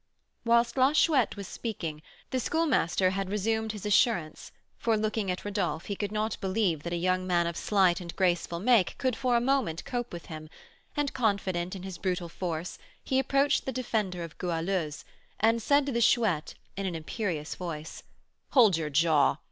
Whilst La Chouette was speaking, the Schoolmaster had resumed his assurance, for, looking at Rodolph, he could not believe that a young man of slight and graceful make could for a moment cope with him, and, confident in his brutal force, he approached the defender of Goualeuse, and said to the Chouette, in an imperious voice: "Hold your jaw!